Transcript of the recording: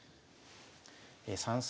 ３三